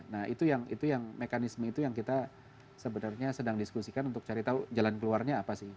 nah itu yang mekanisme itu yang kita sebenarnya sedang diskusikan untuk cari tahu jalan keluarnya apa sih